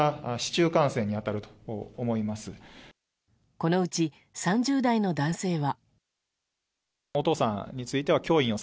このうち３０代の男性は。